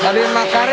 pak dian makkari